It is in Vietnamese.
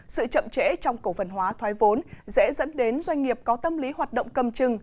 sự chậm trễ trong cổ phần hóa thoái vốn dễ dẫn đến doanh nghiệp có tâm lý hoạt động cầm chừng